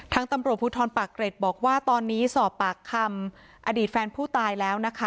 ทางตำรวจภูทรปากเกร็ดบอกว่าตอนนี้สอบปากคำอดีตแฟนผู้ตายแล้วนะคะ